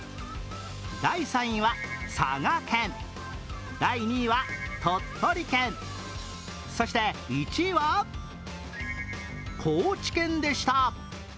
第３位は佐賀県、第２位は鳥取県、そして１位は高知県でした。